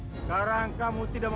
sekarang kamu tidak bisa